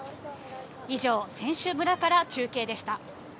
以上、選手村から中継でした。